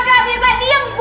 tidak bisa dibilang